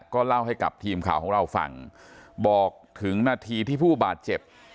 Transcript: ก็เล่าให้กับทีมข่าวของเราฟังบอกถึงนาทีที่ผู้บาดเจ็บ